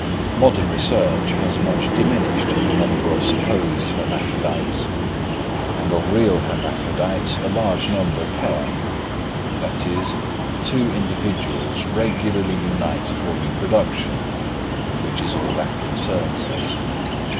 Modern research has much diminished the number of supposed hermaphrodites and of real hermaphrodites a large number pair; that is, two individuals regularly unite for reproduction, which is all that concerns us.